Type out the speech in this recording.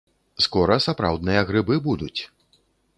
Скора сапраўдныя грыбы будуць.